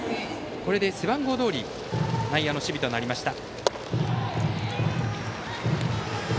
これで背番号どおり内野の守備となりました。